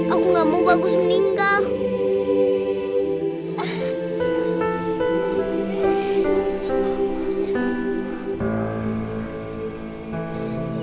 aku gak mau bagus meninggal